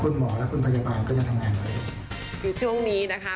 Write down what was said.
คุณหมอและคุณพยาบาลก็ยังทำงานไว้คือช่วงนี้นะคะ